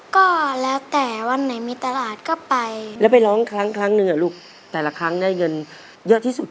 ครั้งเดี่ยวลูกแต่ละครั้งได้เงินเยอะที่สุด